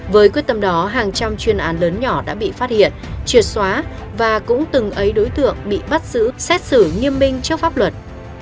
với quyết tâm đó hàng trăm chuyên án lớn nhỏ đã bị phát hiện triệt xóa và cũng từng ấy đối tượng bị bắt giữ xét xử nghiêm minh trước pháp luật